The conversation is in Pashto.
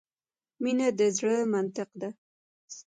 مینه د زړه منطق ده .